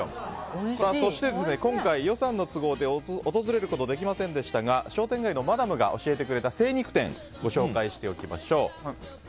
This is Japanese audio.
そして、今回予算の都合で訪れることができませんでしたが商店街のマダムが教えてくれた精肉店をご紹介しておきましょう。